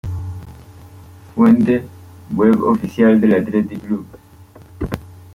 Fuente: Web oficial del Athletic Club.